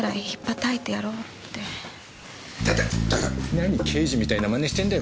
何刑事みたいな真似してんだよ